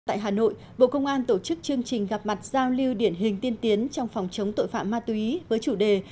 tại hà nội bộ công an tổ chức chương trình gặp mặt giao lưu điển hình tiên tiến trong phòng chống tội phạm ma túy với chủ đề